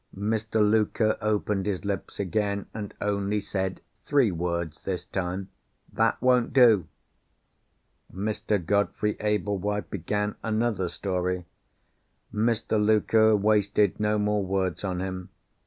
Mr. Luker opened his lips again, and only said three words, this time. "That won't do!" Mr. Godfrey Ablewhite began another story. Mr. Luker wasted no more words on him.